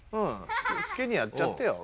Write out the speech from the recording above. すきにやっちゃってよ。